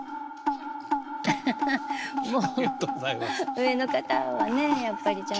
上の方はねやっぱりちゃんと。